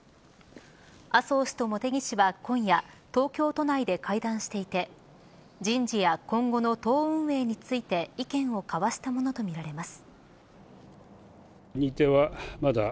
麻生氏と茂木氏は今夜東京都内で会談していて人事や今後の党運営について意見を交わしたものとみられます。